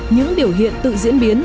những điều hiện tự diễn biến